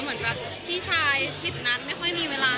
เหมือนแบบพี่ชายผิดนัดไม่ค่อยมีเวลา